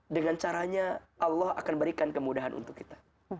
dengan caranya allah akan berikan kemudahan untuk kita